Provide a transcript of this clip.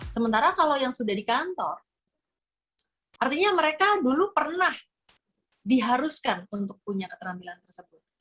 sementara kalau yang sudah di kantor artinya mereka dulu pernah diharuskan untuk punya keterampilan tersebut